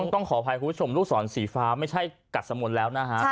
ต้องขออภัยคุณผู้ชมลูกศรสีฟ้าไม่ใช่กัดสมุนแล้วนะฮะ